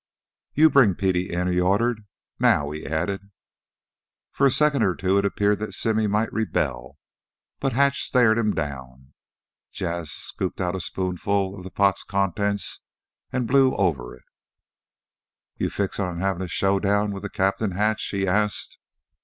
"You bring Petey in!" he ordered. "Now!" he added. For a second or two it appeared that Simmy might rebel, but Hatch stared him down. Jas' scooped out a spoonful of the pot's contents and blew over it. "You fixin' on havin' a showdown with the captain, Hatch?" he asked.